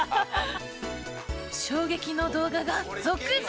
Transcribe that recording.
衝撃の動画が続々！